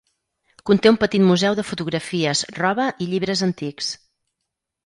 Conté un petit museu de fotografies, roba i llibres antics.